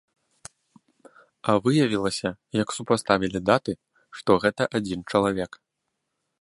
А выявілася, як супаставілі даты, што гэта адзін чалавек!